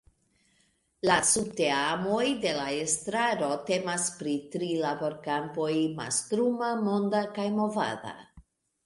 La subteamoj de la estraro temas pri tri laborkampoj, mastruma, monda kaj movada.